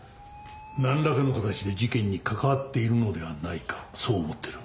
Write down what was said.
なんらかの形で事件に関わっているのではないかそう思ってる。